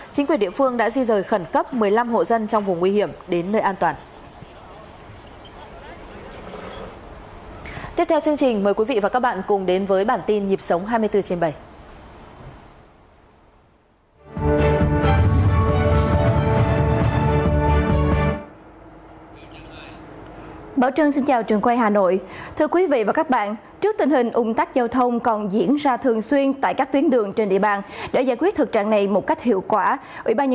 chính quyền địa phương đã di rời khẩn cấp một mươi năm hộ dân trong vùng nguy hiểm đến nơi an toàn